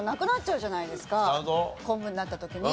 昆布になった時に。